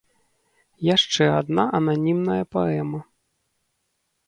Яшчэ адна ананімная паэма.